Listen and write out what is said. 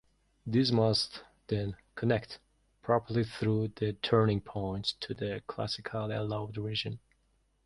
These must then "connect" properly through the turning points to the classically allowed region.